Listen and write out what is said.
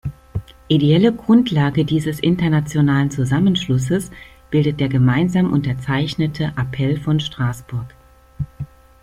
Ideelle Grundlage dieses internationalen Zusammenschlusses bildet der gemeinsam unterzeichnete "Appell von Straßburg".